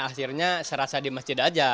akhirnya serasa di masjid aja